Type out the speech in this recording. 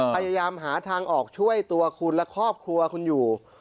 พยายามหาทางออกช่วยตัวคุณและครอบครัวคุณอยู่